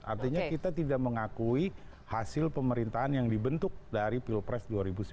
artinya kita tidak mengakui hasil pemerintahan yang dibentuk dari pilpres dua ribu sembilan belas